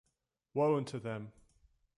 Woe unto them!